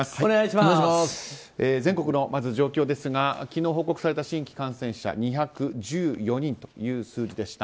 まず全国の状況ですが昨日報告された新規感染者２１４人という数字でした。